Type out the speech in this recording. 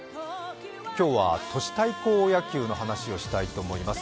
今日は都市対抗野球の話をしたいと思います。